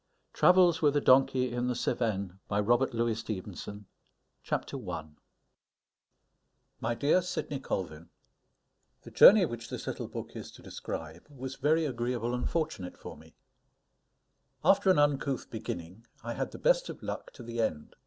TRAVELS WITH A DONKEY IN THE CEVENNES My dear Sidney Colvin, _The journey which this little book is to describe was very agreeable and fortunate for me. After an uncouth beginning, I had the best of luck to the end.